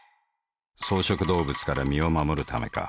草食動物から身を護るためか。